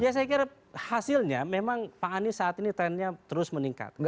ya saya kira hasilnya memang pak anies saat ini trennya terus meningkat